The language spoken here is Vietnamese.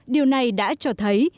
điều này đã cho thấy